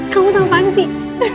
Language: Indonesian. kamu tau apaan sih